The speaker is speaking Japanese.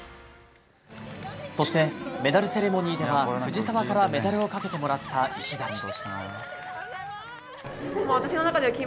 そして、メダルセレモニーでは藤澤からメダルをかけてもらった石崎。